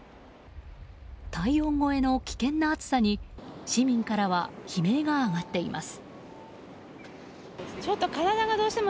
体温超えの危険な暑さに市民からは悲鳴が上がっています。